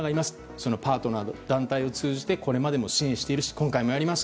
そのパートナー、団体を通じてこれまでも支援しているし今回もあります。